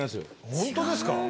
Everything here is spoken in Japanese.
本当ですか？